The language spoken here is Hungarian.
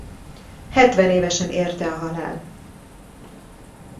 Hetvenévesen érte a halál.